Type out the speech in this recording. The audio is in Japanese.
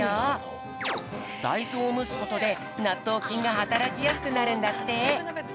だいずをむすことでなっとうきんがはたらきやすくなるんだって。